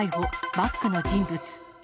バッグの人物。